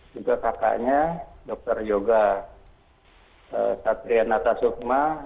juga kakaknya dokter yoga satriana tasukma